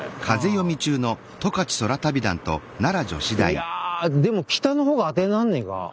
いやでも北の方が当てになんねぇか。